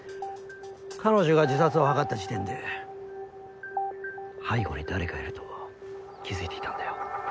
彼女が自殺を図った時点で背後に誰かいると気づいていたんだよ。